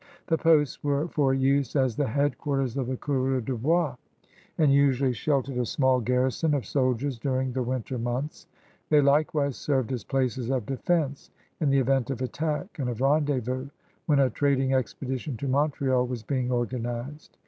The posts were for use as the headquarters of the coureurs de^boisy and usually sheltered a small garrison of soldiers during the winter months ; they likewise served as places of defense in the event of attack and of rendezvous when a trading expedition to Montreal was being organized.